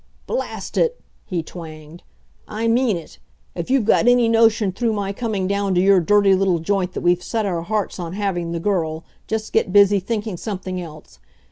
"Blast it!" he twanged. "I mean it. If you've got any notion through my coming down to your dirty little joint that we've set our hearts on having the girl, just get busy thinking something else.